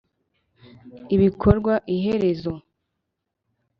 ibikorwa 'iherezo.